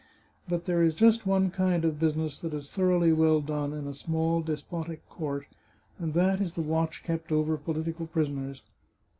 But there is just one kind of business that is thoroughly well done in a small despotic court, and that is the watch kept over political prisoners.